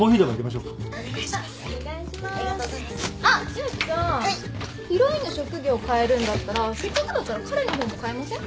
ヒロインの職業変えるんだったらせっかくだったら彼の方も変えません？